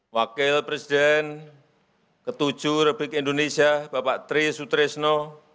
wakil presiden ke tujuh republik indonesia bapak tri sutresno